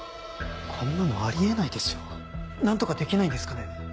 こんなのあり得ないですよ何とかできないんですかね。